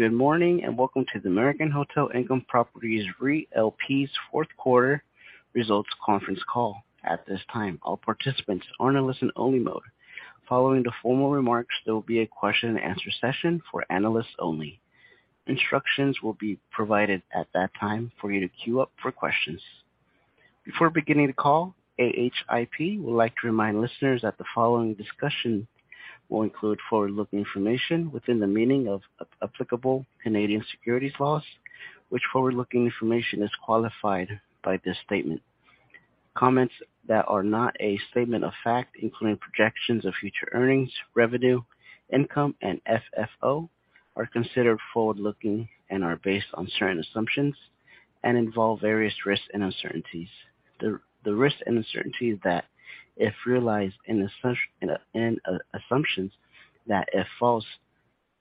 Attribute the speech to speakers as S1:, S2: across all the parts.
S1: Good morning, and welcome to the American Hotel Income Properties REIT LP's fourth quarter results conference call. At this time, all participants are in listen-only mode. Following the formal remarks, there will be a question-and-answer session for analysts only. Instructions will be provided at that time for you to queue up for questions. Before beginning the call, AHIP would like to remind listeners that the following discussion will include forward-looking information within the meaning of applicable Canadian securities laws, which forward-looking information is qualified by this statement. Comments that are not a statement of fact, including projections of future earnings, revenue, income, and FFO, are considered forward-looking and are based on certain assumptions and involve various risks and uncertainties. The risks and uncertainties that, if realized in assumptions that, if false,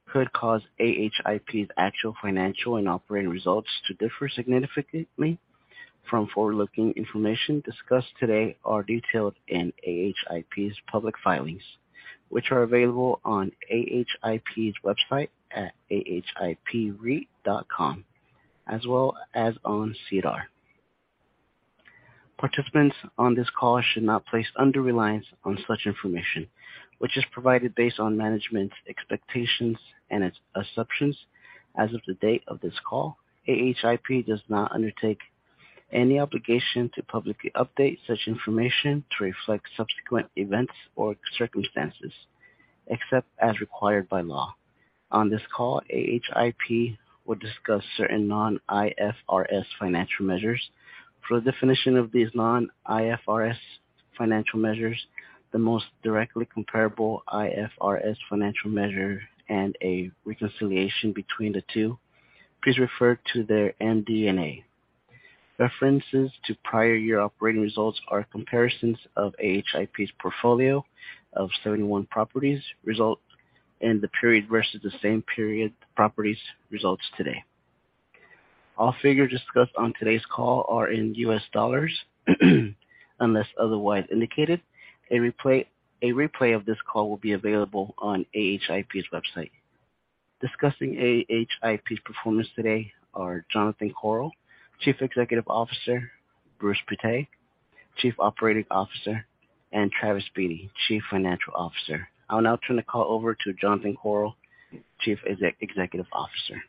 S1: could cause AHIP's actual financial and operating results to differ significantly from forward-looking information discussed today are detailed in AHIP's public filings, which are available on ahipreit.com as well as on SEDAR+. Participants on this call should not place under reliance on such information, which is provided based on management expectations and its assumptions as of the date of this call. AHIP does not undertake any obligation to publicly update such information to reflect subsequent events or circumstances, except as required by law. On this call, AHIP will discuss certain non-IFRS financial measures. For the definition of these non-IFRS financial measures, the most directly comparable IFRS financial measure, and a reconciliation between the two, please refer to their MD&A. References to prior year operating results are comparisons of AHIP's portfolio of 71 properties results in the period versus the same period properties results today. All figures discussed on today's call are in U.S. dollars, unless otherwise indicated. A replay of this call will be available on AHIP's website. Discussing AHIP's performance today are Jonathan Korol, Chief Executive Officer, Bruce Pittet, Chief Operating Officer, and Travis Beatty, Chief Financial Officer. I'll now turn the call over to Jonathan Korol, Chief Executive Officer.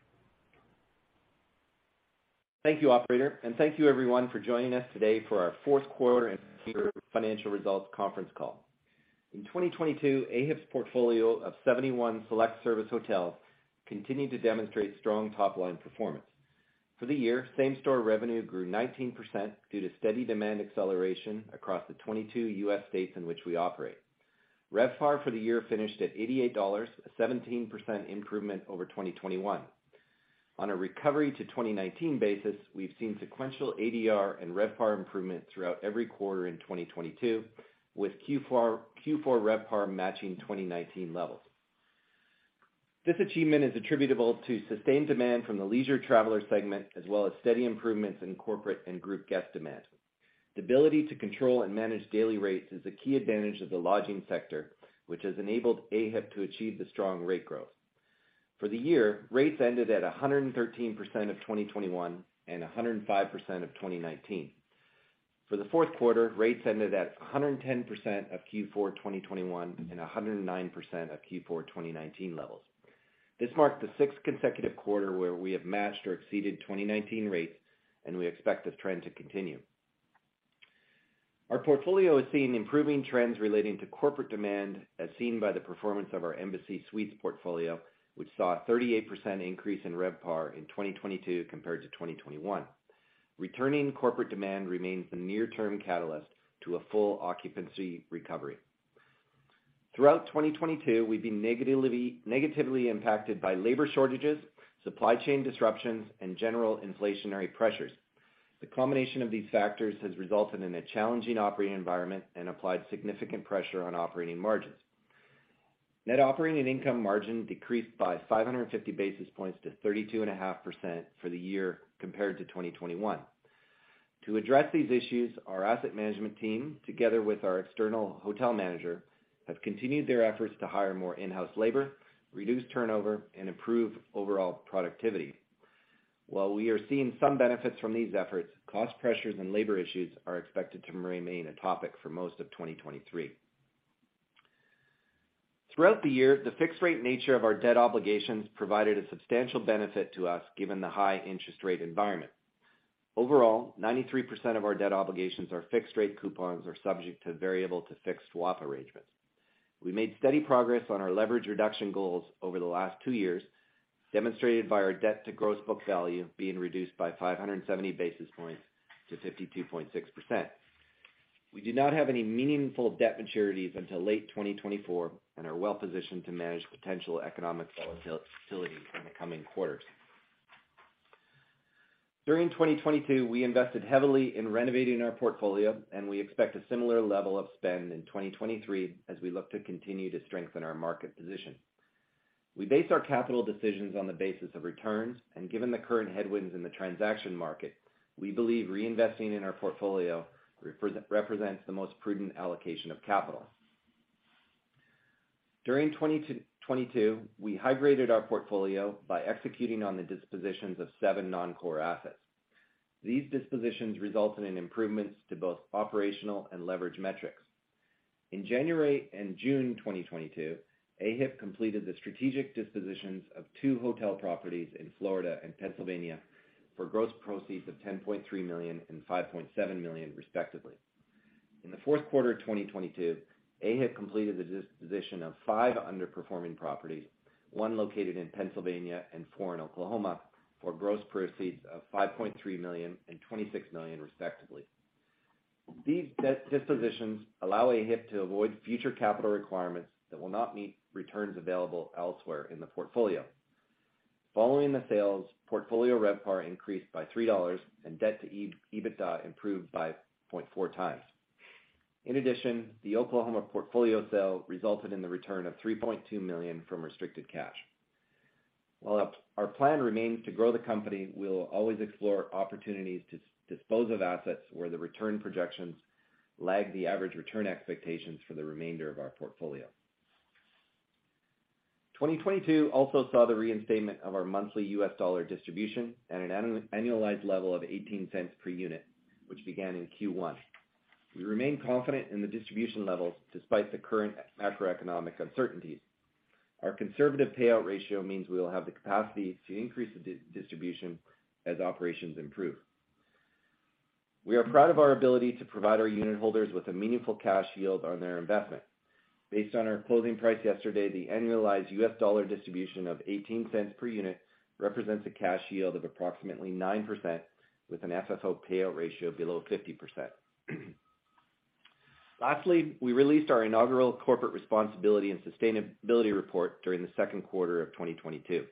S2: Thank you, operator. Thank you, everyone, for joining us today for our fourth quarter and full year financial results conference call. In 2022, AHIP's portfolio of 71 select-service hotels continued to demonstrate strong top-line performance. For the year, same-store revenue grew 19% due to steady demand acceleration across the 22 U.S. states in which we operate. RevPAR for the year finished at $88, a 17% improvement over 2021. On a recovery to 2019 basis, we've seen sequential ADR and RevPAR improvement throughout every quarter in 2022, with Q4 RevPAR matching 2019 levels. This achievement is attributable to sustained demand from the leisure traveler segment as well as steady improvements in corporate and group guest demand. The ability to control and manage daily rates is a key advantage of the lodging sector, which has enabled AHIP to achieve the strong rate growth. For the year, rates ended at 113% of 2021 and 105% of 2019. For the fourth quarter, rates ended at 110% of Q4 2021 and 109% of Q4 2019 levels. This marked the sixth consecutive quarter where we have matched or exceeded 2019 rates, and we expect this trend to continue. Our portfolio is seeing improving trends relating to corporate demand, as seen by the performance of our Embassy Suites portfolio, which saw a 38% increase in RevPAR in 2022 compared to 2021. Returning corporate demand remains the near-term catalyst to a full occupancy recovery. Throughout 2022, we've been negatively impacted by labor shortages, supply chain disruptions, and general inflationary pressures. The combination of these factors has resulted in a challenging operating environment and applied significant pressure on operating margins. Net operating and income margin decreased by 550 basis points to 32.5% for the year compared to 2021. To address these issues, our asset management team, together with our external hotel manager, have continued their efforts to hire more in-house labor, reduce turnover, and improve overall productivity. While we are seeing some benefits from these efforts, cost pressures and labor issues are expected to remain a topic for most of 2023. Throughout the year, the fixed-rate nature of our debt obligations provided a substantial benefit to us, given the high interest rate environment. Overall, 93% of our debt obligations are fixed-rate coupons or subject to variable to fixed swap arrangements. We made steady progress on our leverage reduction goals over the last two years, demonstrated by our debt to gross book value being reduced by 570 basis points to 52.6%. We do not have any meaningful debt maturities until late 2024 and are well positioned to manage potential economic volatility in the coming quarters. During 2022, we invested heavily in renovating our portfolio, and we expect a similar level of spend in 2023 as we look to continue to strengthen our market position. We base our capital decisions on the basis of returns, and given the current headwinds in the transaction market, we believe reinvesting in our portfolio represents the most prudent allocation of capital. During 2022, we high-graded our portfolio by executing on the dispositions of seven non-core assets. These dispositions resulted in improvements to both operational and leverage metrics. In January and June 2022, AHIP completed the strategic dispositions of two hotel properties in Florida and Pennsylvania for gross proceeds of $10.3 million and $5.7 million, respectively. In the fourth quarter of 2022, AHIP completed the disposition of five underperforming properties, one located in Pennsylvania and four in Oklahoma, for gross proceeds of $5.3 million and $26 million, respectively. These dispositions allow AHIP to avoid future capital requirements that will not meet returns available elsewhere in the portfolio. Following the sales, portfolio RevPAR increased by $3 and debt to EBITDA improved by 0.4 times. In addition, the Oklahoma portfolio sale resulted in the return of $3.2 million from restricted cash. While our plan remains to grow the company, we'll always explore opportunities to dispose of assets where the return projections lag the average return expectations for the remainder of our portfolio. 2022 also saw the reinstatement of our monthly U.S. dollar distribution at an annualized level of $0.18 per unit, which began in Q1. We remain confident in the distribution levels despite the current macroeconomic uncertainties. Our conservative payout ratio means we will have the capacity to increase the distribution as operations improve. We are proud of our ability to provide our unitholders with a meaningful cash yield on their investment. Based on our closing price yesterday, the annualized U.S. dollar distribution of $0.18 per unit represents a cash yield of approximately 9%, with an FFO payout ratio below 50%. Lastly, we released our inaugural corporate responsibility and sustainability report during the second quarter of 2022.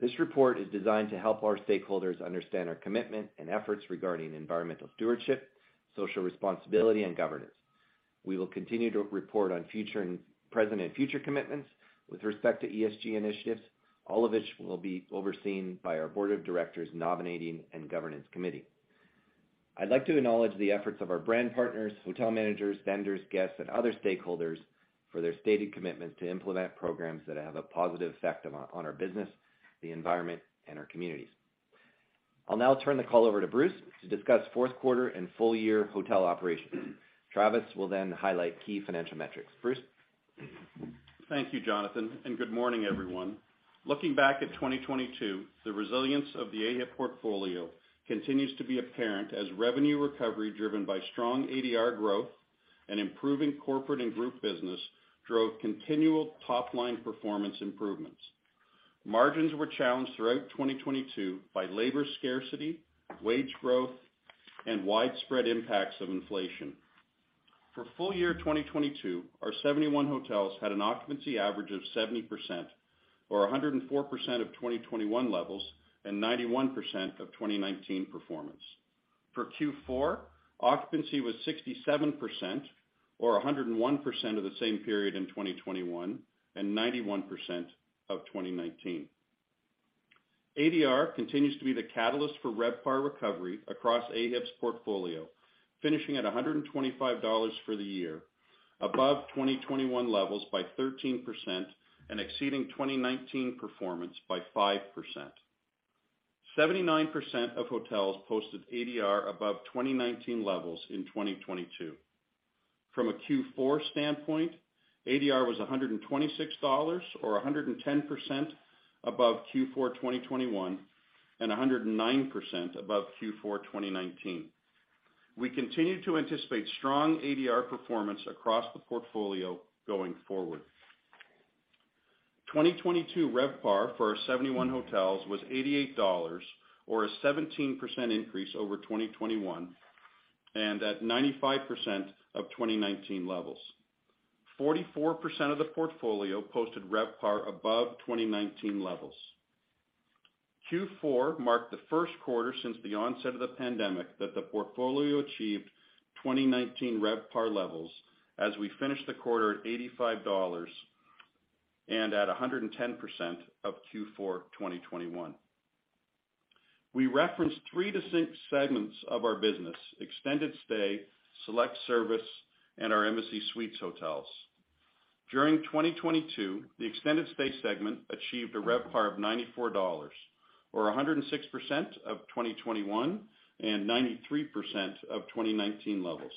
S2: This report is designed to help our stakeholders understand our commitment and efforts regarding environmental stewardship, social responsibility, and governance. We will continue to report on present and future commitments with respect to ESG initiatives, all of which will be overseen by our board of directors nominating and governance committee. I'd like to acknowledge the efforts of our brand partners, hotel managers, vendors, guests, and other stakeholders for their stated commitment to implement programs that have a positive effect on our business, the environment, and our communities. I'll now turn the call over to Bruce to discuss fourth quarter and full year hotel operations. Travis will then highlight key financial metrics. Bruce?
S3: Thank you, Jonathan. Good morning, everyone. Looking back at 2022, the resilience of the AHIP portfolio continues to be apparent as revenue recovery driven by strong ADR growth and improving corporate and group business drove continual top-line performance improvements. Margins were challenged throughout 2022 by labor scarcity, wage growth, and widespread impacts of inflation. For full year 2022, our 71 hotels had an occupancy average of 70% or 104% of 2021 levels and 91% of 2019 performance. For Q4, occupancy was 67% or 101% of the same period in 2021 and 91% of 2019. ADR continues to be the catalyst for RevPAR recovery across AHIP's portfolio, finishing at $125 for the year, above 2021 levels by 13% and exceeding 2019 performance by 5%. 79% of hotels posted ADR above 2019 levels in 2022. From a Q4 standpoint, ADR was $126 or 110% above Q4 2021 and 109% above Q4 2019. We continue to anticipate strong ADR performance across the portfolio going forward. 2022 RevPAR for our 71 hotels was $88 or a 17% increase over 2021 and at 95% of 2019 levels. 44% of the portfolio posted RevPAR above 2019 levels. Q4 marked the first quarter since the onset of the pandemic that the portfolio achieved 2019 RevPAR levels as we finished the quarter at $85 and at 110% of Q4 2021. We reference three distinct segments of our business: extended stay, select service, and our Embassy Suites hotels. During 2022, the extended stay segment achieved a RevPAR of $94 or 106% of 2021 and 93% of 2019 levels.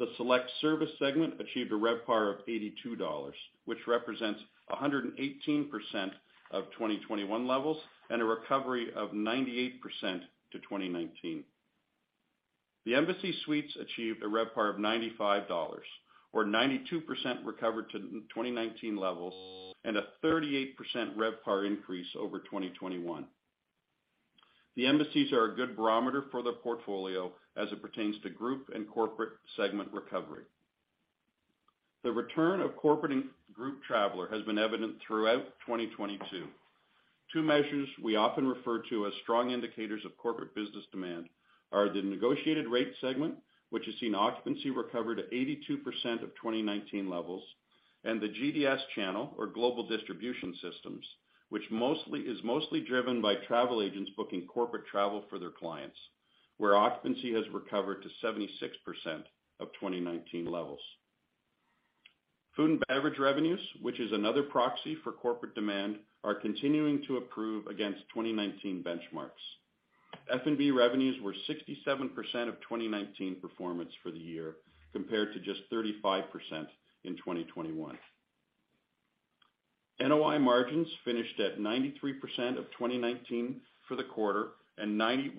S3: The select service segment achieved a RevPAR of $82, which represents 118% of 2021 levels and a recovery of 98% to 2019. The Embassy Suites achieved a RevPAR of $95 or 92% recovery to the 2019 levels and a 38% RevPAR increase over 2021. The Embassy Suites are a good barometer for the portfolio as it pertains to group and corporate segment recovery. The return of corporate and group traveler has been evident throughout 2022. Two measures we often refer to as strong indicators of corporate business demand are the negotiated rate segment, which has seen occupancy recover to 82% of 2019 levels, and the GDS channel or Global Distribution Systems, which is mostly driven by travel agents booking corporate travel for their clients. Where occupancy has recovered to 76% of 2019 levels. Food and beverage revenues, which is another proxy for corporate demand, are continuing to improve against 2019 benchmarks. F&B revenues were 67% of 2019 performance for the year compared to just 35% in 2021. NOI margins finished at 93% of 2019 for the quarter and 91%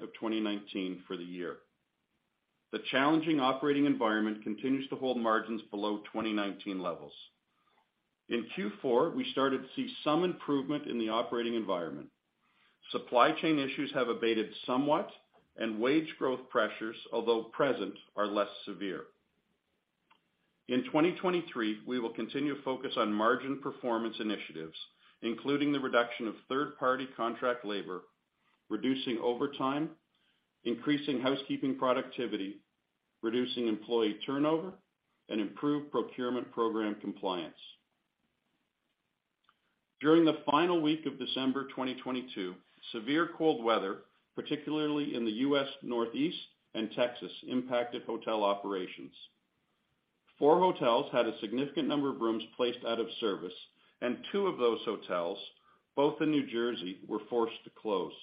S3: of 2019 for the year. The challenging operating environment continues to hold margins below 2019 levels. In Q4, we started to see some improvement in the operating environment. Supply chain issues have abated somewhat and wage growth pressures, although present, are less severe. In 2023, we will continue to focus on margin performance initiatives, including the reduction of third-party contract labor, reducing overtime, increasing housekeeping productivity, reducing employee turnover, and improved procurement program compliance. During the final week of December 2022, severe cold weather, particularly in the U.S. Northeast and Texas, impacted hotel operations. Four hotels had a significant number of rooms placed out of service, and two of those hotels, both in New Jersey, were forced to close.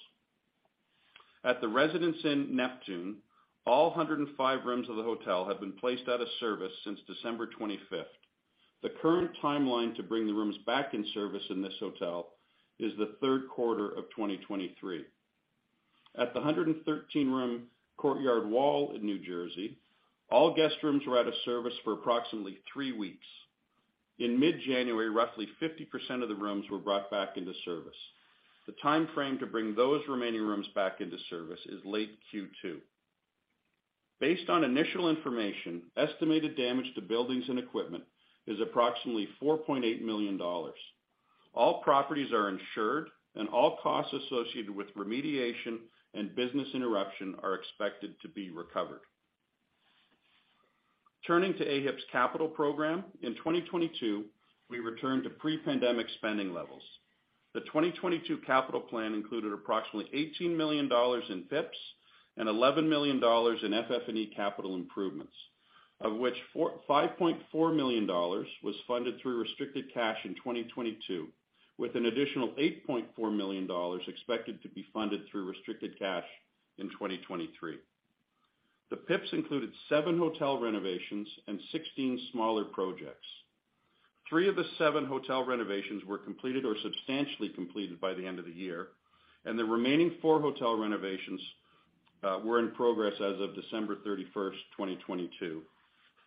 S3: At the Residence Inn Neptune, all 105 rooms of the hotel have been placed out of service since December 25th. The current timeline to bring the rooms back in service in this hotel is the third quarter of 2023. At the 113-room Courtyard Wall in New Jersey, all guest rooms were out of service for approximately three weeks. In mid-January, roughly 50% of the rooms were brought back into service. The time frame to bring those remaining rooms back into service is late Q2. Based on initial information, estimated damage to buildings and equipment is approximately $4.8 million. All properties are insured, all costs associated with remediation and business interruption are expected to be recovered. Turning to AHIP's capital program, in 2022, we returned to pre-pandemic spending levels. The 2022 capital plan included approximately $18 million in PIPs and $11 million in FF&E capital improvements, of which $5.4 million was funded through restricted cash in 2022, with an additional $8.4 million expected to be funded through restricted cash in 2023. The PIPs included seven hotel renovations and 16 smaller projects. Three of the seven hotel renovations were completed or substantially completed by the end of the year, and the remaining four hotel renovations were in progress as of December 31st, 2022.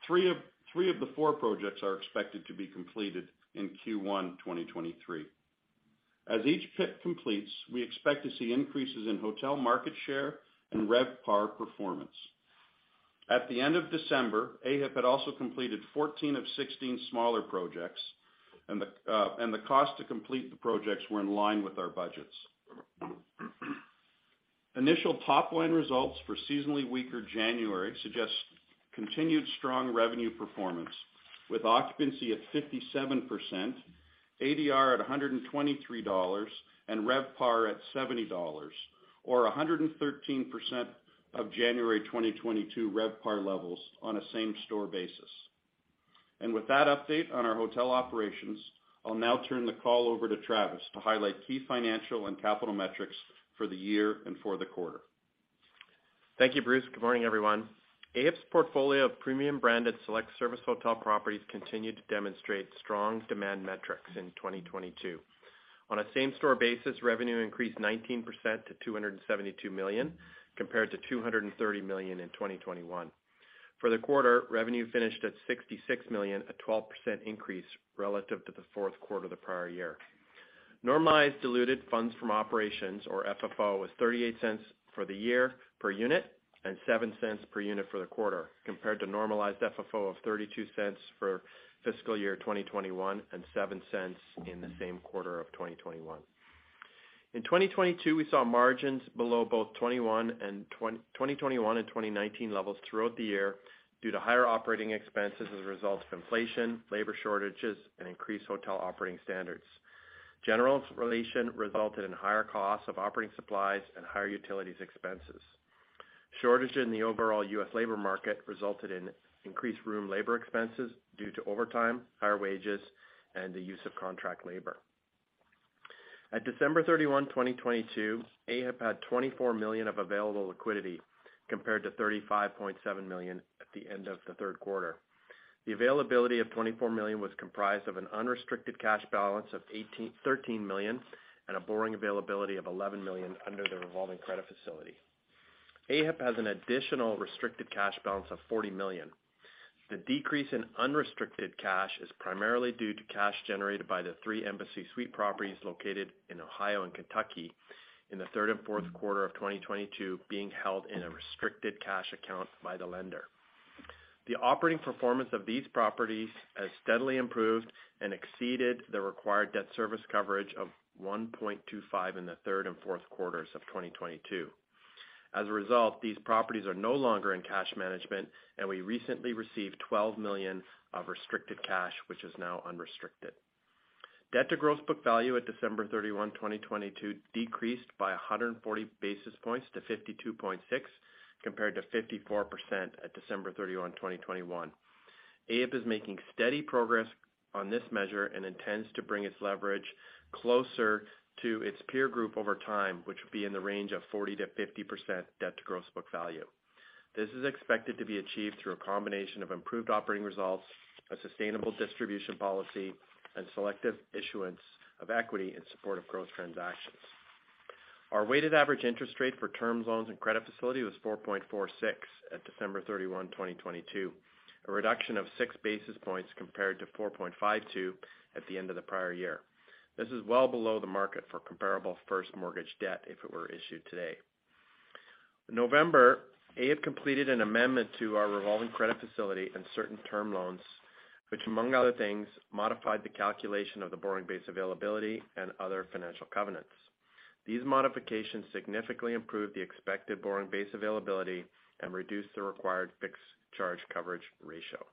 S3: Three of the four projects are expected to be completed in Q1 2023. As each PIP completes, we expect to see increases in hotel market share and RevPAR performance. At the end of December, AHIP had also completed 14 of 16 smaller projects, and the cost to complete the projects were in line with our budgets. Initial top line results for seasonally weaker January suggest continued strong revenue performance with occupancy at 57%, ADR at $123, and RevPAR at $70, or 113% of January 2022 RevPAR levels on a same store basis. With that update on our hotel operations, I'll now turn the call over to Travis to highlight key financial and capital metrics for the year and for the quarter.
S4: Thank you, Bruce. Good morning, everyone. AHIP's portfolio of premium branded select-service hotel properties continued to demonstrate strong demand metrics in 2022. On a same-store basis, revenue increased 19% to $272 million, compared to $230 million in 2021. For the quarter, revenue finished at $66 million, a 12% increase relative to the fourth quarter of the prior year. Normalized diluted funds from operations or FFO was $0.38 for the year per unit and $0.07 per unit for the quarter, compared to normalized FFO of $0.32 for fiscal year 2021 and $0.07 in the same quarter of 2021. In 2022, we saw margins below both 2021 and 2019 levels throughout the year due to higher operating expenses as a result of inflation, labor shortages, and increased hotel operating standards. General inflation resulted in higher costs of operating supplies and higher utilities expenses. Shortage in the overall U.S. labor market resulted in increased room labor expenses due to overtime, higher wages, and the use of contract labor. At December 31, 2022, AHIP had $24 million of available liquidity compared to $35.7 million at the end of the third quarter. The availability of $24 million was comprised of an unrestricted cash balance of $13 million and a borrowing availability of $11 million under the revolving credit facility. AHIP has an additional restricted cash balance of $40 million. The decrease in unrestricted cash is primarily due to cash generated by the three Embassy Suites properties located in Ohio and Kentucky in the third and fourth quarter of 2022 being held in a restricted cash account by the lender. The operating performance of these properties has steadily improved and exceeded the required debt service coverage of 1.25 in the third and fourth quarters of 2022. As a result, these properties are no longer in cash management, and we recently received $12 million of restricted cash, which is now unrestricted. Debt to gross book value at December 31, 2022, decreased by 140 basis points to 52.6%, compared to 54% at December 31, 2021. AHIP is making steady progress on this measure and intends to bring its leverage closer to its peer group over time, which will be in the range of 40%-50% debt to gross book value. This is expected to be achieved through a combination of improved operating results, a sustainable distribution policy, and selective issuance of equity in support of growth transactions. Our weighted average interest rate for term loans and credit facility was 4.46 at December 31, 2022. A reduction of 6 basis points compared to 4.52 at the end of the prior year. This is well below the market for comparable first mortgage debt if it were issued today. In November, AHIP completed an amendment to our revolving credit facility and certain term loans, which among other things, modified the calculation of the borrowing base availability and other financial covenants. These modifications significantly improved the expected borrowing base availability and reduced the required fixed charge coverage ratio.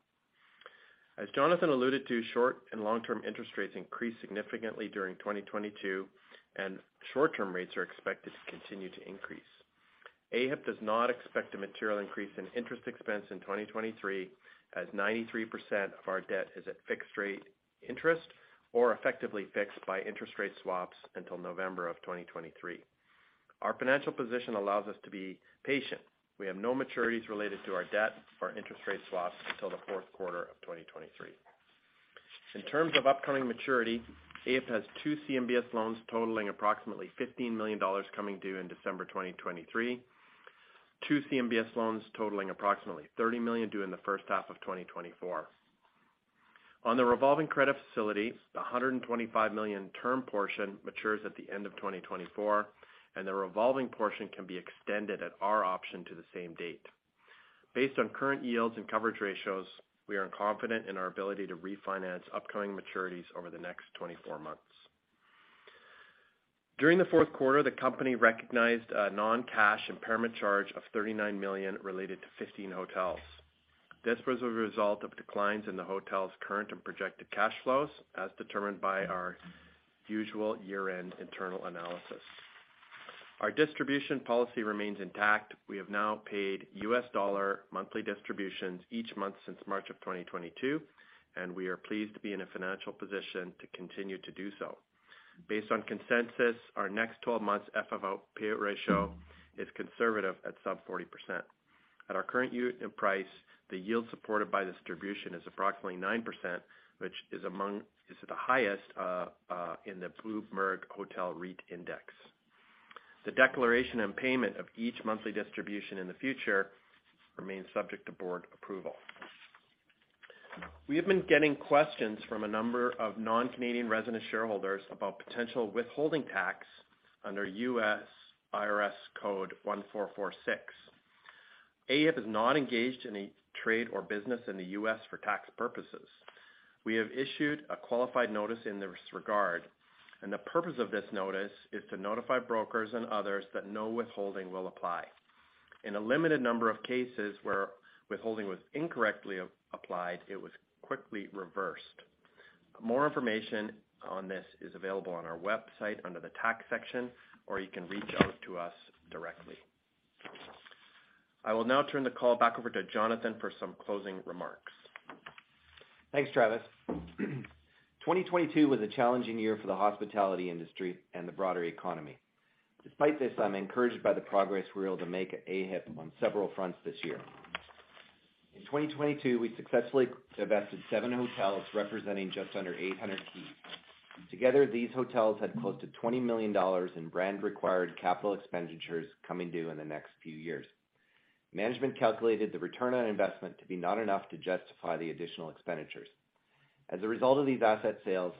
S4: As Jonathan alluded to, short and long-term interest rates increased significantly during 2022. Short-term rates are expected to continue to increase. AHIP does not expect a material increase in interest expense in 2023, as 93% of our debt is at fixed rate interest or effectively fixed by interest rate swaps until November of 2023. Our financial position allows us to be patient. We have no maturities related to our debt or interest rate swaps until the fourth quarter of 2023. In terms of upcoming maturity, AHIP has two CMBS loans totaling approximately $15 million coming due in December 2023. Two CMBS loans totaling approximately $30 million due in the first half of 2024. On the revolving credit facility, the $125 million term portion matures at the end of 2024, and the revolving portion can be extended at our option to the same date. Based on current yields and coverage ratios, we are confident in our ability to refinance upcoming maturities over the next 24 months. During the fourth quarter, the company recognized a non-cash impairment charge of $39 million related to 15 hotels. This was a result of declines in the hotel's current and projected cash flows, as determined by our usual year-end internal analysis. Our distribution policy remains intact. We have now paid U.S. dollar monthly distributions each month since March of 2022. We are pleased to be in a financial position to continue to do so. Based on consensus, our next 12 months FFO payout ratio is conservative at sub 40%. At our current unit and price, the yield supported by distribution is approximately 9%, which is the highest in the Bloomberg Hotel REIT Index. The declaration and payment of each monthly distribution in the future remains subject to board approval. We have been getting questions from a number of non-Canadian resident shareholders about potential withholding tax under U.S. IRS Code 1446. AHIP is not engaged in any trade or business in the U.S. for tax purposes. We have issued a qualified notice in this regard. The purpose of this notice is to notify brokers and others that no withholding will apply. In a limited number of cases where withholding was incorrectly applied, it was quickly reversed. More information on this is available on our website under the tax section. You can reach out to us directly. I will now turn the call back over to Jonathan for some closing remarks.
S2: Thanks, Travis. 2022 was a challenging year for the hospitality industry and the broader economy. Despite this, I'm encouraged by the progress we were able to make at AHIP on several fronts this year. In 2022, we successfully divested seven hotels representing just under 800 keys. Together, these hotels had close to $20 million in brand-required capital expenditures coming due in the next few years. Management calculated the return on investment to be not enough to justify the additional expenditures. As a result of these asset sales,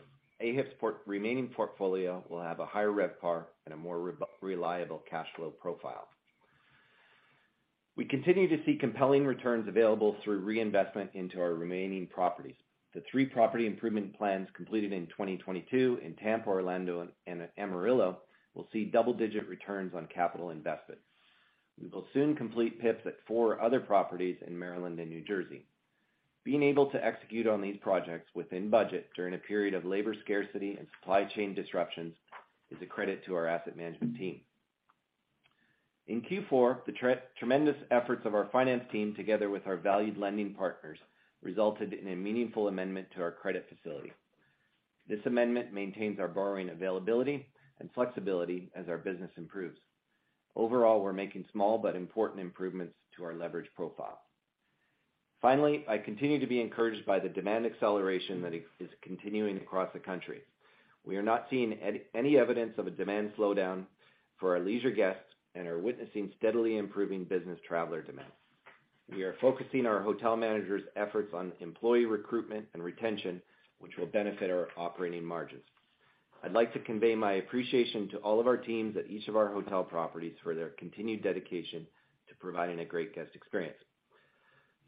S2: AHIP's remaining portfolio will have a higher RevPAR and a more reliable cash flow profile. We continue to see compelling returns available through reinvestment into our remaining properties. The three Property Improvement Plans completed in 2022 in Tampa, Orlando, and Amarillo will see double-digit returns on capital investments. We will soon complete PIPs at four other properties in Maryland and New Jersey. Being able to execute on these projects within budget during a period of labor scarcity and supply chain disruptions is a credit to our asset management team. In Q4, the tremendous efforts of our finance team, together with our valued lending partners, resulted in a meaningful amendment to our credit facility. This amendment maintains our borrowing availability and flexibility as our business improves. Overall, we're making small but important improvements to our leverage profile. Finally, I continue to be encouraged by the demand acceleration that is continuing across the country. We are not seeing any evidence of a demand slowdown for our leisure guests and are witnessing steadily improving business traveler demand. We are focusing our hotel managers' efforts on employee recruitment and retention, which will benefit our operating margins. I'd like to convey my appreciation to all of our teams at each of our hotel properties for their continued dedication to providing a great guest experience.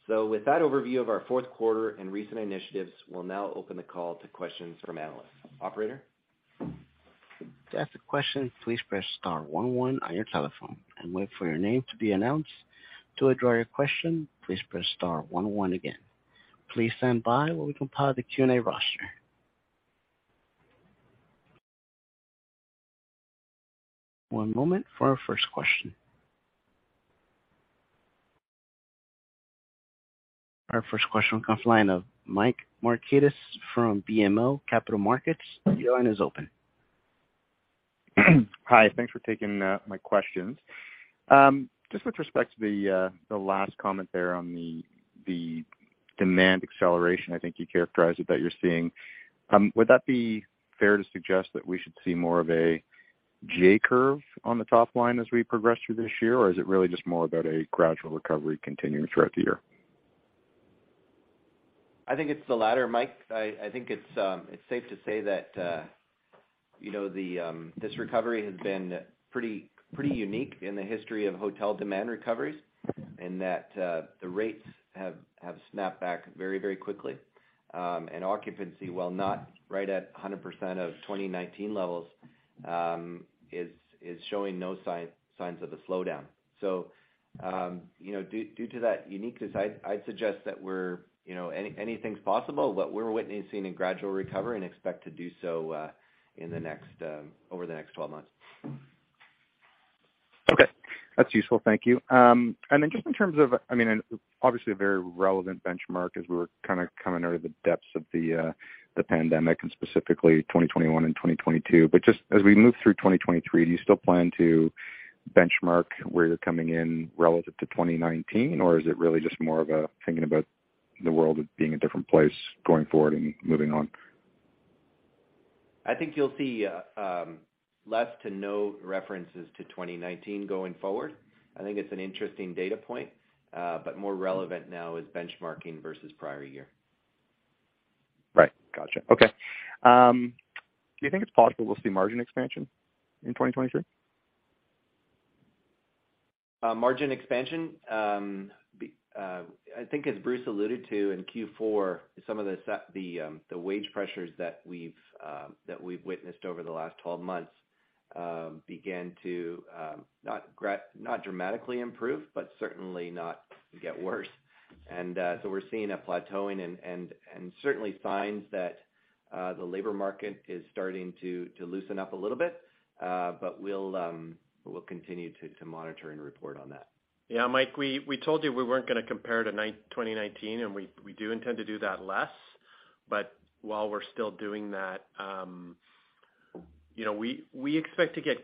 S2: With that overview of our fourth quarter and recent initiatives, we'll now open the call to questions from analysts. Operator?
S1: To ask a question, please press star one one on your telephone and wait for your name to be announced. To withdraw your question, please press star one one again. Please stand by while we compile the Q&A roster. One moment for our first question. Our first question comes line of Mike Markidis from BMO Capital Markets. Your line is open.
S5: Hi. Thanks for taking my questions. Just with respect to the last comment there on the demand acceleration, I think you characterized it that you're seeing. Would that be fair to suggest that we should see more of a J curve on the top line as we progress through this year? Is it really just more about a gradual recovery continuing throughout the year?
S2: I think it's the latter, Mike. I think it's safe to say that, you know, the this recovery has been pretty unique in the history of hotel demand recoveries in that the rates have snapped back very quickly. Occupancy, while not right at 100% of 2019 levels, is showing no signs of a slowdown. You know, due to that uniqueness, I'd suggest that we're, you know, anything's possible, but we're witnessing a gradual recovery and expect to do so over the next 12 months.
S5: Okay. That's useful. Thank you. Then just in terms of, I mean, and obviously a very relevant benchmark as we were kind of coming out of the depths of the pandemic and specifically 2021 and 2022. Just as we move through 2023, do you still plan to benchmark where you're coming in relative to 2019? Or is it really just more of a thinking about the world as being a different place going forward and moving on?
S2: I think you'll see, less to no references to 2019 going forward. I think it's an interesting data point. More relevant now is benchmarking versus prior year.
S5: Right. Gotcha. Okay. Do you think it's possible we'll see margin expansion in 2023?
S2: Margin expansion, I think as Bruce alluded to in Q4, some of the wage pressures that we've witnessed over the last 12 months began to not dramatically improve, but certainly not get worse. We're seeing a plateauing and certainly signs that the labor market is starting to loosen up a little bit. We'll continue to monitor and report on that.
S3: Yeah, Mike, we told you we weren't gonna compare to 2019, and we do intend to do that less. While we're still doing that, you know, we expect to get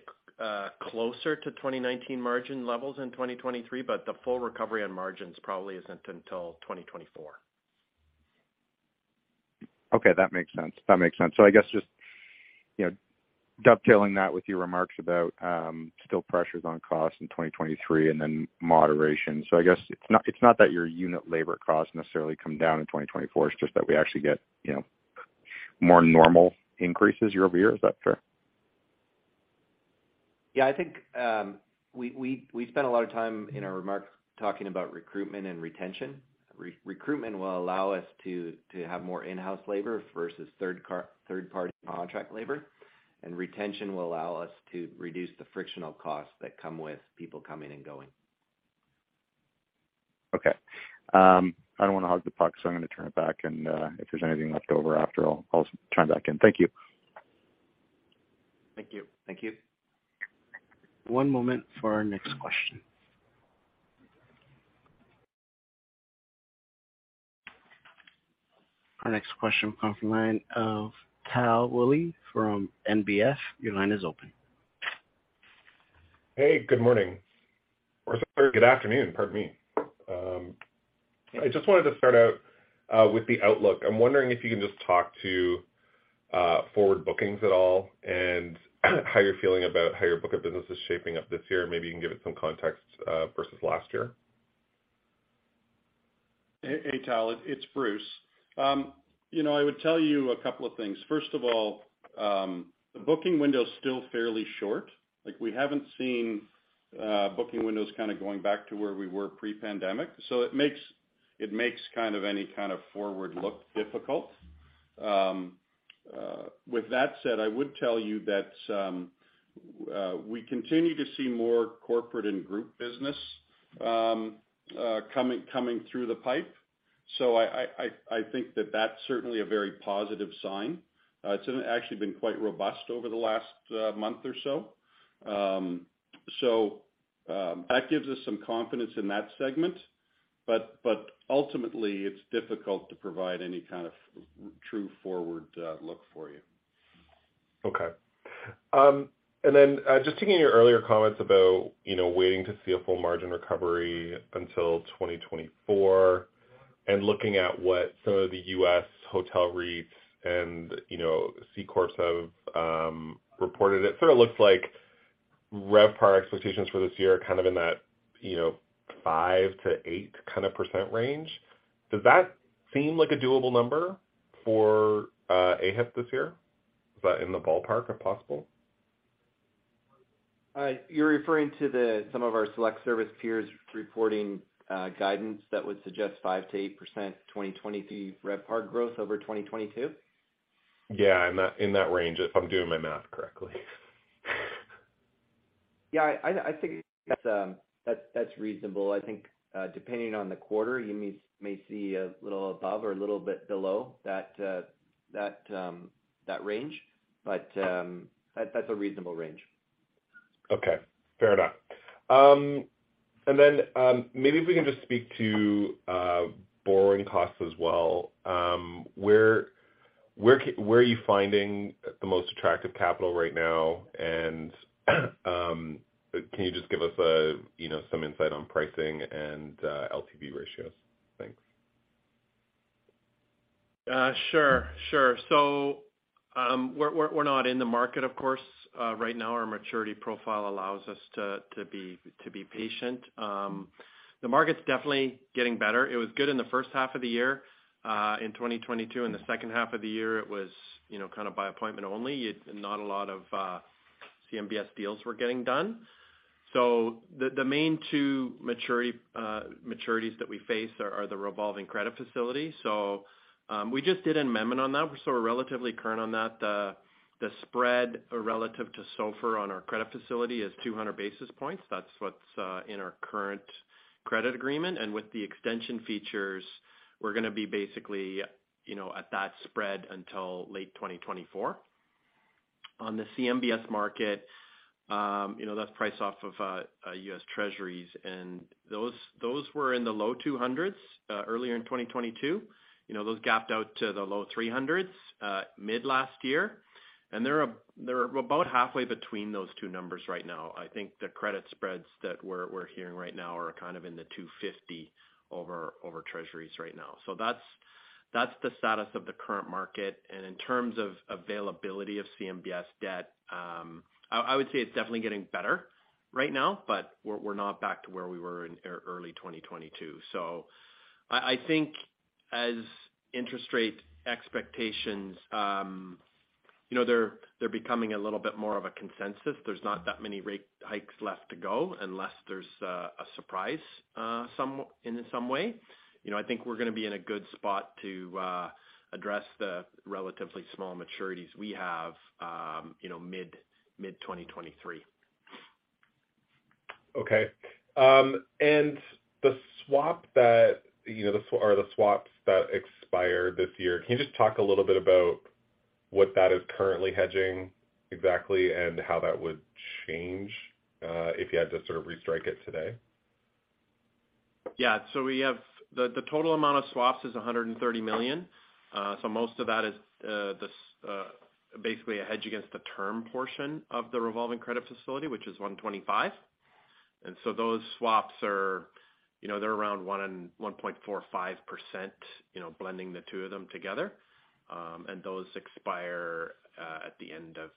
S3: closer to 2019 margin levels in 2023, but the full recovery on margins probably isn't until 2024.
S5: Okay, that makes sense. That makes sense. I guess just, you know, dovetailing that with your remarks about still pressures on cost in 2023 and then moderation. I guess it's not that your unit labor costs necessarily come down in 2024, it's just that we actually get, you know, more normal increases year-over-year. Is that fair?
S2: Yeah, I think, we spent a lot of time in our remarks talking about recruitment and retention. Recruitment will allow us to have more in-house labor versus third-party contract labor. Retention will allow us to reduce the frictional costs that come with people coming and going.
S5: Okay. I don't wanna hog the puck, so I'm gonna turn it back and, if there's anything left over after I'll chime back in. Thank you.
S2: Thank you.
S3: Thank you.
S1: One moment for our next question. Our next question comes from line of Tal Woolley from NBF. Your line is open.
S6: Hey, good morning or good afternoon. Pardon me. I just wanted to start out with the outlook. I'm wondering if you can just talk to forward bookings at all and how you're feeling about how your book of business is shaping up this year. Maybe you can give it some context versus last year.
S3: Hey, Tal, it's Bruce. You know, I would tell you a couple of things. First of all, the booking window is still fairly short. Like, we haven't seen, booking windows kinda going back to where we were pre-pandemic. It makes kind of any kind of forward look difficult. With that said, I would tell you that we continue to see more corporate and group business coming through the pipe. I think that that's certainly a very positive sign. It's actually been quite robust over the last month or so. That gives us some confidence in that segment. Ultimately, it's difficult to provide any kind of true forward look for you.
S6: Okay. Then, just taking your earlier comments about, you know, waiting to see a full margin recovery until 2024 and looking at what some of the U.S. hotel REITs and, you know, C-Corps have reported. It sort of looks like RevPAR expectations for this year are kind of in that, you know, 5%-8% kind of range. Does that seem like a doable number for AHIP this year? Is that in the ballpark, if possible?
S4: All right. You're referring to some of our select-service peers reporting guidance that would suggest 5%-8% 2020 RevPAR growth over 2022?
S6: Yeah, in that range if I'm doing my math correctly.
S4: Yeah, I think that's reasonable. I think, depending on the quarter, you may see a little above or a little bit below that range. That's a reasonable range.
S6: Okay. Fair enough. Maybe if we can just speak to borrowing costs as well, where are you finding the most attractive capital right now? Can you just give us a, you know, some insight on pricing and LTV ratios? Thanks.
S4: Sure. Sure. We're not in the market, of course. Right now, our maturity profile allows us to be patient. The market's definitely getting better. It was good in the first half of the year in 2022. In the second half of the year, it was, you know, kind of by appointment only. Not a lot of CMBS deals were getting done. The main two maturities that we face are the revolving credit facility. We just did an amendment on that, so we're relatively current on that. The spread relative to SOFR on our credit facility is 200 basis points. That's what's in our current credit agreement. With the extension features, we're gonna be basically, you know, at that spread until late 2024. On the CMBS market, you know, that's priced off of U.S. Treasuries. Those were in the low 200s earlier in 2022. You know, those gapped out to the low 300s mid last year. They're about halfway between those two numbers right now. I think the credit spreads that we're hearing right now are kind of in the 250 over Treasuries right now. That's the status of the current market. In terms of availability of CMBS debt, I would say it's definitely getting better right now, but we're not back to where we were in early 2022. I think as interest rate expectations, you know, they're becoming a little bit more of a consensus. There's not that many rate hikes left to go unless there's a surprise in some way. You know, I think we're gonna be in a good spot to address the relatively small maturities we have, you know, mid-2023.
S6: Okay. The swap that, you know, or the swaps that expire this year, can you just talk a little bit about what that is currently hedging exactly, and how that would change, if you had to sort of restrike it today?
S4: We have the total amount of swaps is $130 million. Most of that is basically a hedge against the term portion of the revolving credit facility, which is $125 million. Those swaps are, you know, they're around 1% and 1.45%, you know, blending the two of them together. And those expire at the end of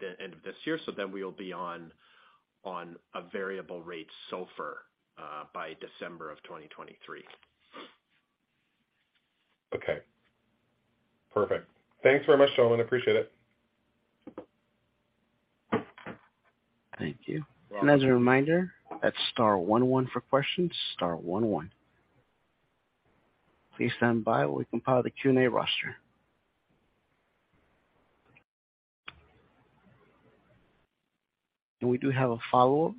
S4: this year. We'll be on a variable rate SOFR by December of 2023.
S6: Okay. Perfect. Thanks very much, gentlemen. Appreciate it.
S1: Thank you.
S4: You're welcome.
S1: As a reminder, that's star one one for questions, star one one. Please stand by while we compile the Q&A roster. We do have a follow-up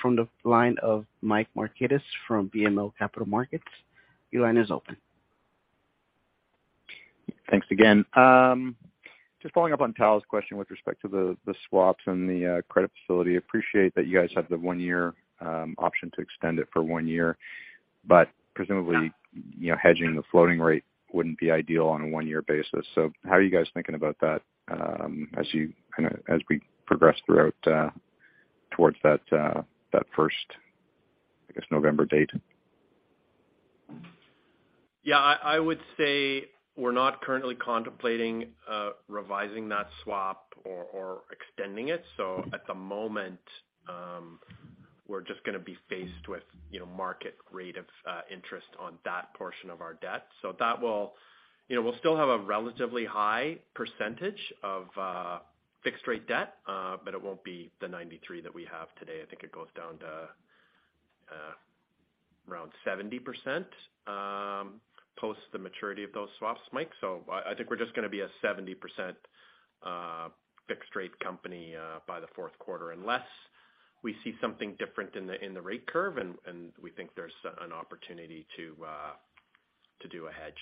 S1: from the line of Mike Markidis from BMO Capital Markets. Your line is open.
S5: Thanks again. Just following up on Tal's question with respect to the swaps and the credit facility. Appreciate that you guys have the one-year option to extend it for one year, but presumably, you know, hedging the floating rate wouldn't be ideal on a one-year basis. How are you guys thinking about that as we progress throughout towards that first, I guess, November date?
S4: I would say we're not currently contemplating revising that swap or extending it. At the moment, we're just gonna be faced with, you know, market rate of interest on that portion of our debt. You know, we'll still have a relatively high percentage of fixed rate debt, but it won't be the 93 that we have today. I think it goes down to around 70% post the maturity of those swaps, Mike. I think we're just gonna be a 70% fixed rate company by the fourth quarter, unless we see something different in the rate curve and we think there's an opportunity to do a hedge.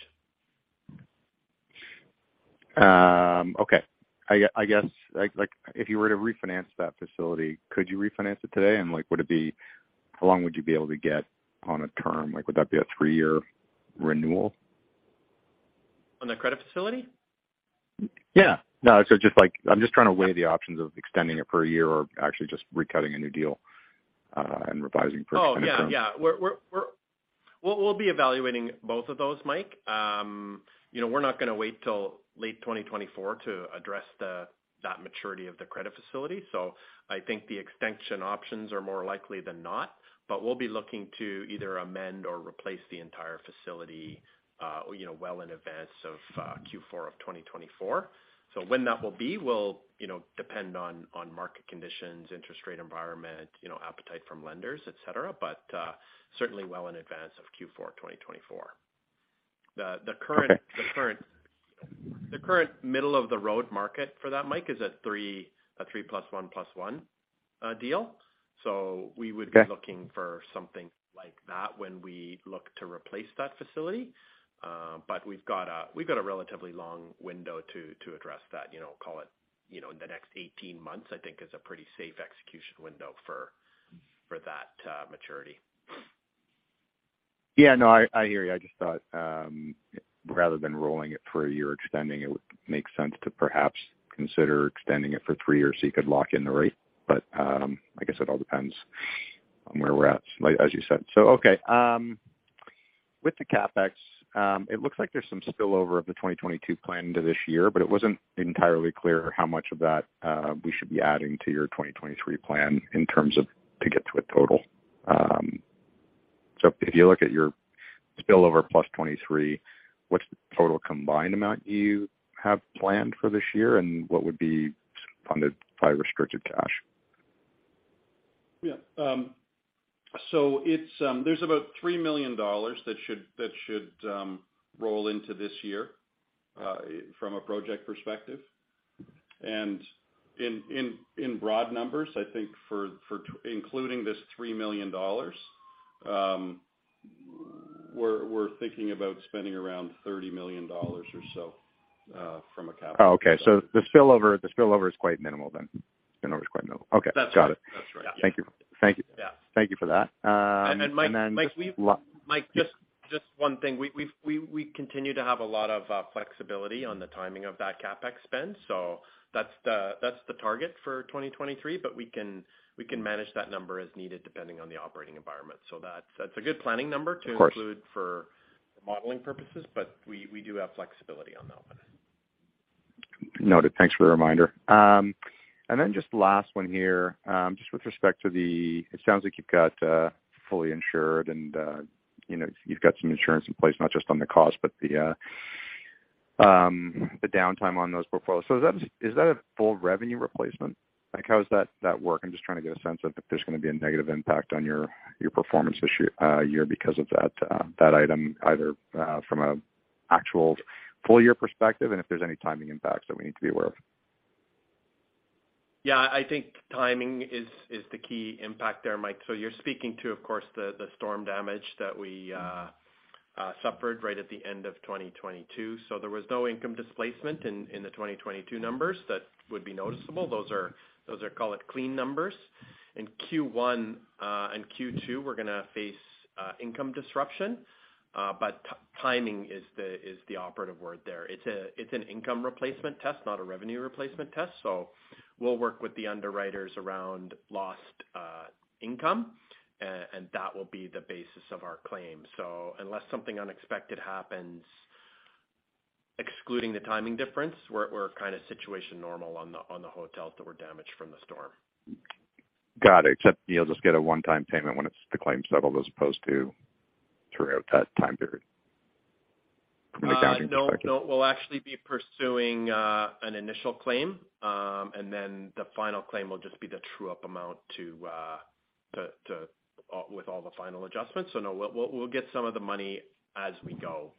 S5: Okay. I guess, like, if you were to refinance that facility, could you refinance it today? Like, how long would you be able to get on a term? Like, would that be a three-year renewal?
S4: On the credit facility?
S5: No, I'm just trying to weigh the options of extending it for a year or actually just recutting a new deal and revising purchase benefit.
S4: Oh, yeah. We'll be evaluating both of those, Mike. You know, we're not gonna wait till late 2024 to address that maturity of the credit facility. I think the extension options are more likely than not, but we'll be looking to either amend or replace the entire facility, you know, well in advance of Q4 of 2024. When that will be will, you know, depend on market conditions, interest rate environment, you know, appetite from lenders, et cetera. Certainly well in advance of Q4 2024.
S5: Okay.
S4: The current middle of the road market for that, Mike, is at 3, a 3 + 1 + 1 deal.
S5: Okay.
S4: We would be looking for something like that when we look to replace that facility. We've got a relatively long window to address that, you know, call it, you know, in the next 18 months, I think is a pretty safe execution window for that maturity.
S5: Yeah. No, I hear you. I just thought, rather than rolling it for a year, extending it would make sense to perhaps consider extending it for three years so you could lock in the rate. I guess it all depends on where we're at, like as you said. Okay. With the CapEx, it looks like there's some spillover of the 2022 plan into this year, but it wasn't entirely clear how much of that we should be adding to your 2023 plan in terms of to get to a total. If you look at your spillover plus 2023, what's the total combined amount you have planned for this year and what would be funded by restricted cash?
S3: There's about $3 million that should roll into this year from a project perspective. In broad numbers, I think including this $3 million, we're thinking about spending around $30 million or so from a capital.
S5: Oh, okay. The spillover is quite minimal then. Spillover is quite minimal. Okay. Got it.
S3: That's right. Yeah.
S5: Thank you.
S3: Yeah.
S5: Thank you for that.
S4: Mike, just one thing. We continue to have a lot of flexibility on the timing of that CapEx spend. That's the target for 2023, but we can manage that number as needed depending on the operating environment. That's a good planning number to include for modeling purposes, but we do have flexibility on that one.
S5: Noted. Thanks for the reminder. And then just last one here. Just with respect to the it sounds like you've got fully insured and, you know, you've got some insurance in place, not just on the cost, but the downtime on those portfolios. Is that a full revenue replacement? Like, how does that work? I'm just trying to get a sense if there's gonna be a negative impact on your performance this year because of that item either from an actual full year perspective and if there's any timing impacts that we need to be aware of.
S4: Yeah, I think timing is the key impact there, Mike. You're speaking to, of course, the storm damage that we suffered right at the end of 2022. There was no income displacement in the 2022 numbers that would be noticeable. Those are, call it, clean numbers. In Q1 and Q2, we're gonna face income disruption. Timing is the operative word there. It's an income replacement test, not a revenue replacement test. We'll work with the underwriters around lost income, and that will be the basis of our claim. Unless something unexpected happens, excluding the timing difference, we're kind of situation normal on the hotels that were damaged from the storm.
S5: Got it. Except you'll just get a one-time payment when the claim's settled as opposed to throughout that time period from an accounting perspective.
S4: No. We'll actually be pursuing an initial claim. The final claim will just be the true up amount with all the final adjustments. No, we'll get some of the money as we go.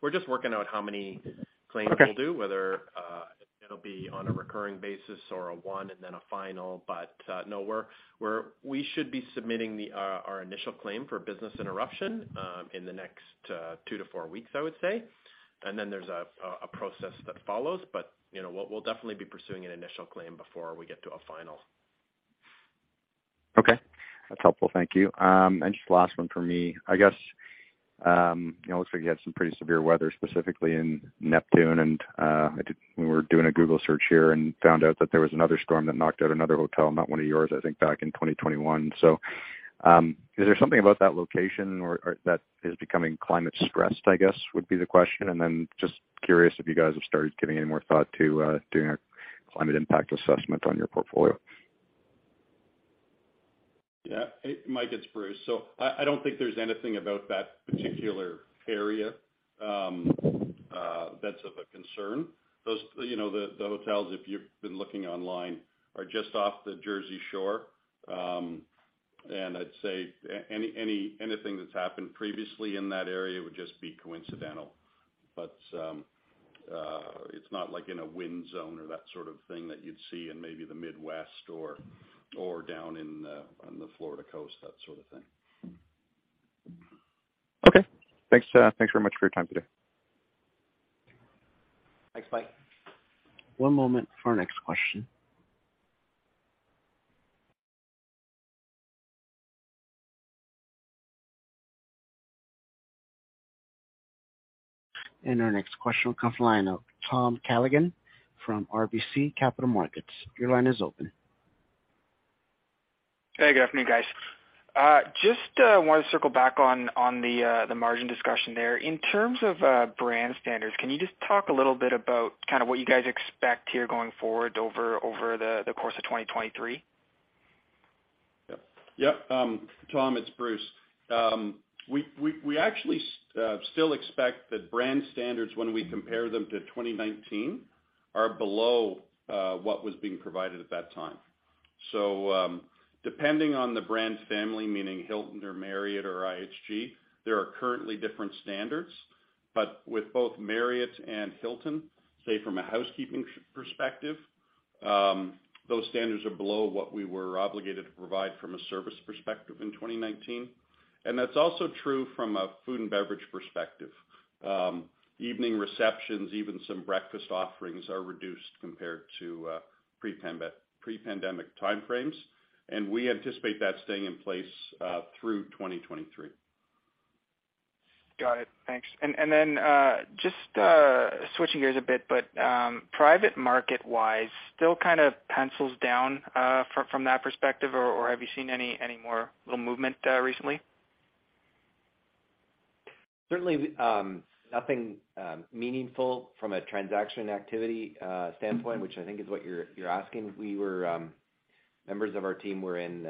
S4: We're just working out how many claims we'll do whether it'll be on a recurring basis or a one and then a final. No, we should be submitting the our initial claim for business interruption in the next two to four weeks, I would say. Then there's a process that follows. You know, we'll definitely be pursuing an initial claim before we get to a final.
S5: Okay. That's helpful. Thank you. Just last one for me. I guess, you know, looks like you had some pretty severe weather, specifically in Neptune. We were doing a Google search here and found out that there was another storm that knocked out another hotel, not one of yours, I think back in 2021. Is there something about that location or that is becoming climate stressed, I guess would be the question? Just curious if you guys have started giving any more thought to doing a climate impact assessment on your portfolio.
S3: Yeah. Mike, it's Bruce. I don't think there's anything about that particular area that's of a concern. You know, the hotels, if you've been looking online, are just off the Jersey shore. I'd say anything that's happened previously in that area would just be coincidental. It's not like in a wind zone or that sort of thing that you'd see in maybe the Midwest or down in on the Florida coast, that sort of thing.
S5: Okay. Thanks, thanks very much for your time today.
S4: Thanks, Mike.
S1: One moment for our next question. Our next question will come from line of Tom Callaghan from RBC Capital Markets. Your line is open.
S7: Hey, good afternoon, guys. Just want to circle back on the margin discussion there. In terms of brand standards, can you just talk a little bit about kind of what you guys expect here going forward over the course of 2023?
S3: Yep, yep. Tom, it's Bruce. We actually still expect that brand standards when we compare them to 2019 are below what was being provided at that time. Depending on the brand's family, meaning Hilton or Marriott or IHG, there are currently different standards. With both Marriott and Hilton, say from a housekeeping perspective, those standards are below what we were obligated to provide from a service perspective in 2019. That's also true from a food and beverage perspective. Evening receptions, even some breakfast offerings are reduced compared to pre-pandemic time frames, we anticipate that staying in place through 2023.
S7: Got it. Thanks. Then, just switching gears a bit, but private market-wise, still kind of pencils down from that perspective or have you seen any more little movement recently?
S2: Certainly, nothing meaningful from a transaction activity standpoint, which I think is what you're asking. We were members of our team were in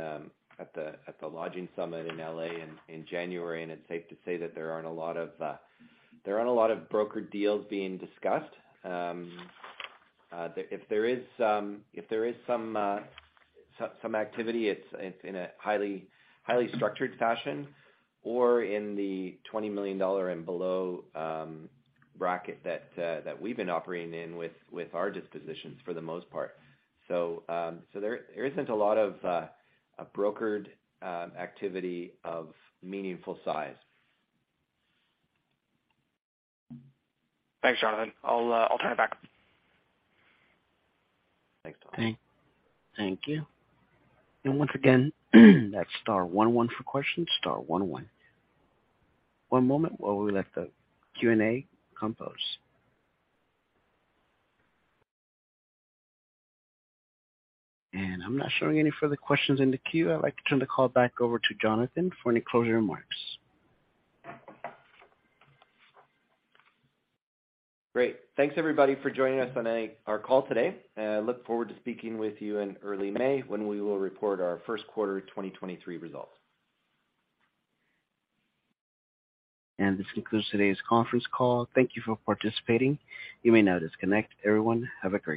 S2: at the lodging summit in L.A. in January, and it's safe to say that there aren't a lot of broker deals being discussed. If there is some activity, it's in a highly structured fashion or in the $20 million and below bracket that we've been operating in with our dispositions for the most part. There isn't a lot of brokered activity of meaningful size.
S7: Thanks, Jonathan. I'll turn it back.
S2: Thanks, Tom.
S1: Thank you. Once again, that's star one one for questions, star one one. One moment while we let the Q&A compose. I'm not showing any further questions in the queue. I'd like to turn the call back over to Jonathan for any closing remarks.
S2: Great. Thanks, everybody, for joining us on our call today, and I look forward to speaking with you in early May when we will report our first quarter 2023 results.
S1: This concludes today's conference call. Thank you for participating. You may now disconnect. Everyone, have a great day.